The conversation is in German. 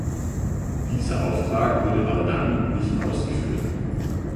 Dieser Auftrag wurde aber dann nicht ausgeführt.